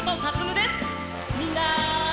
みんな！